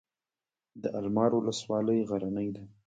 د المار ولسوالۍ غرنۍ ده